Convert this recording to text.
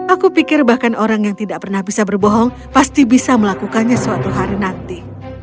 aku pikir bahkan orang yang tidak pernah bisa berbohong pasti bisa melakukannya suatu hari nanti